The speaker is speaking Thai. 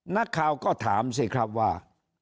นักข่าวก็ถามสิครับว่า